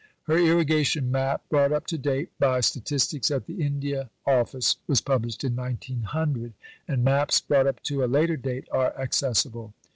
Her Irrigation map, "brought up to date by statistics at the India Office," was published in 1900; and maps brought up to a later date are accessible.